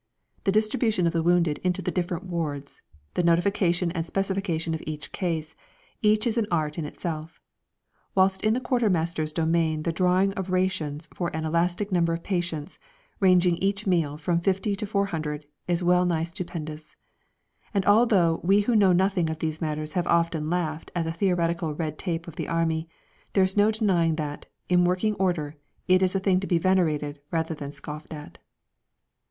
The distribution of the wounded into the different wards, the notification and specification of each case each is an art in itself. Whilst in the quartermaster's domain the drawing of rations for an elastic number of patients, ranging each meal from 50 to 400, is wellnigh stupendous. And although we who know nothing of these matters have often laughed at the theoretical red tape of the Army, there is no denying that, in working order, it is a thing to be venerated rather than scoffed at.